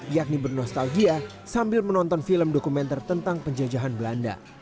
yakni bernostalgia sambil menonton film dokumenter tentang penjajahan belanda